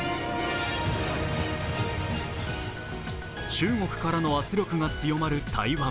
中国からの圧力が強まる台湾。